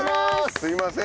すみません。